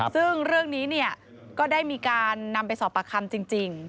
ซึ่งเรื่องนี้ก็ได้มีการนำไปสอบปากคำจริง